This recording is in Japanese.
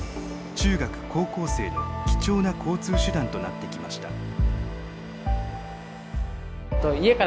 中学・高校生の貴重な交通手段となってきました。